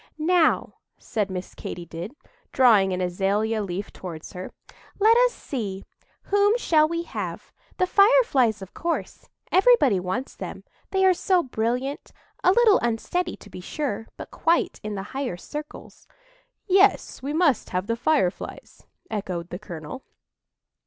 "Now," said Miss Katy did, drawing an azalea leaf towards her, "let us see—whom shall we have? The Fireflies, of course; everybody wants them, they are so brilliant,—a little unsteady, to be sure, but quite in the higher circles." "Yes, we must have the Fireflies," echoed the colonel.